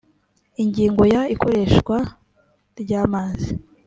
ingingo ya…: ikoreshwa ry’amazi